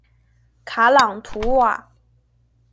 卡朗图瓦。